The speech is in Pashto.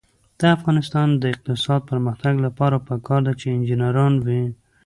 د افغانستان د اقتصادي پرمختګ لپاره پکار ده چې انجنیران وي.